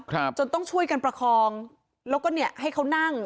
ครับจนต้องช่วยกันประคองแล้วก็เนี่ยให้เขานั่ง